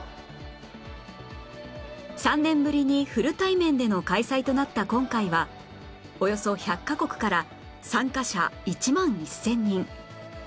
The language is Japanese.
３年ぶりにフル対面での開催となった今回はおよそ１００カ国から参加者１万１０００人